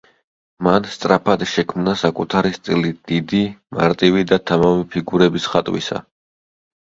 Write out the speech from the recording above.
მან სწრაფად შემქნა საკუთარი სტილი დიდი, მარტივი და თამამი ფიგურების ხატვისა.